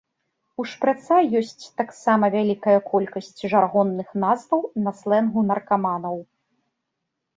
У шпрыца ёсць таксама вялікая колькасць жаргонных назваў на слэнгу наркаманаў.